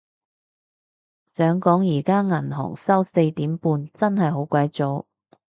想講而家銀行收四點半，真係好鬼早